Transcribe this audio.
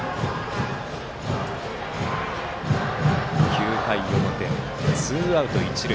９回表、ツーアウト、一塁。